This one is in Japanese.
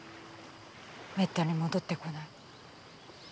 めったに戻ってこない。